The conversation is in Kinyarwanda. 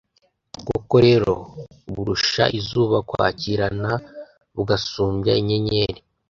koko rero, burusha izuba kwakirana, bugasumbya inyenyeri